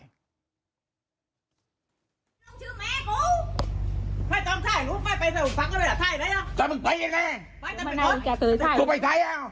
ลงเฟสลงเฟสลงเฟส